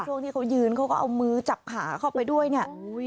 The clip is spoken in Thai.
ช่วงที่เขายืนเขาก็เอามือจับขาเข้าไปด้วยเนี่ย